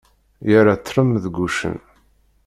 Yerra ṭṭlem deg uccen.